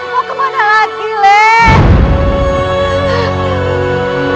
mau kemana lagi lek